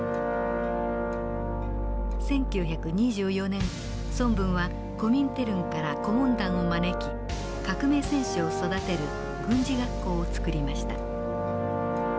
１９２４年孫文はコミンテルンから顧問団を招き革命戦士を育てる軍事学校を作りました。